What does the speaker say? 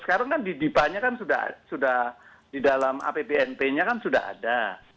sekarang kan di dipanya kan sudah di dalam apbnp nya kan sudah ada